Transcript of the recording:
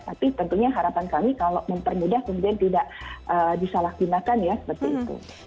tapi tentunya harapan kami kalau mempermudah kemudian tidak disalahgunakan ya seperti itu